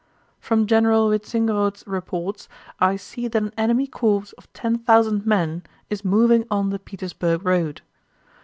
From General Wintzingerode's reports, I see that an enemy corps of ten thousand men is moving on the Petersburg road.